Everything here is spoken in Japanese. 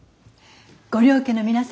ご両家の皆様